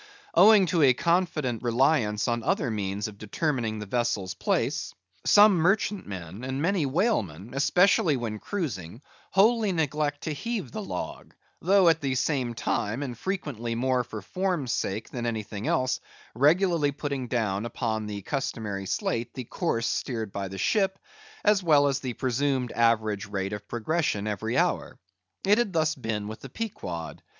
Owing to a confident reliance upon other means of determining the vessel's place, some merchantmen, and many whalemen, especially when cruising, wholly neglect to heave the log; though at the same time, and frequently more for form's sake than anything else, regularly putting down upon the customary slate the course steered by the ship, as well as the presumed average rate of progression every hour. It had been thus with the Pequod.